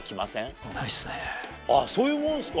そういうもんですか。